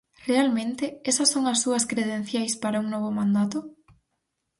Realmente, ¿esas son as súas credenciais para un novo mandato?